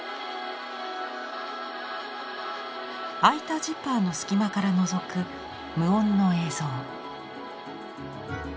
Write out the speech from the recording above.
開いたジッパーの隙間からのぞく無音の映像。